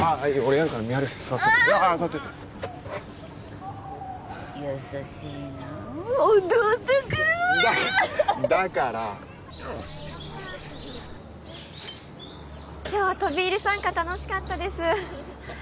だだから帰ろっか今日は飛び入り参加楽しかったです